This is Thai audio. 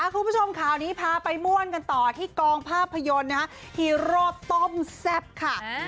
คุณผู้ชมข่าวนี้พาไปม่วนกันต่อที่กองภาพยนตร์ฮีโร่ต้มแซ่บค่ะ